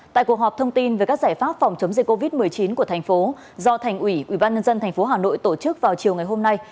tại cuộc họp thông tin về các giải pháp phòng chống dịch covid một mươi chín của thành phố do thành ủy ubnd tp hà nội tổ chức vào chiều ngày hôm nay